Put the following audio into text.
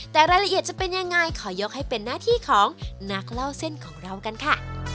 แต่รายละเอียดจะเป็นยังไงขอยกให้เป็นหน้าที่ของนักเล่าเส้นของเรากันค่ะ